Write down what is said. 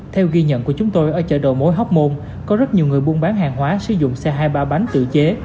theo ghi nhận của chúng tôi ở chợ đầu mối hóc môn có rất nhiều người buôn bán hàng hóa sử dụng xe hai ba bánh tự chế